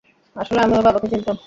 আসলে আমি ওর বাবাকে চিনতাম।